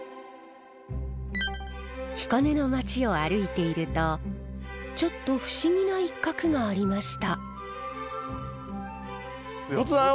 彦根の町を歩いているとちょっと不思議な一角がありました。